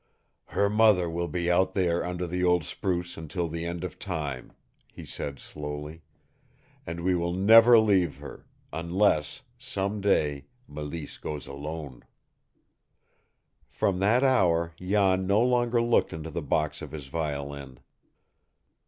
"Her mother will be out there under the old spruce until the end of time," he said slowly; "and we will never leave her unless, some day, Mélisse goes alone." From that hour Jan no longer looked into the box of his violin.